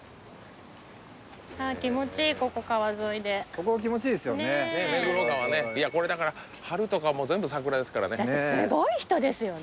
ここ気持ちいいですよね目黒川ねいやこれだから春とかもう全部桜ですからねだってすごい人ですよね